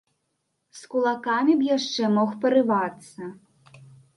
З кулакамі б яшчэ мог парывацца.